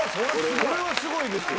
これはすごいですよ。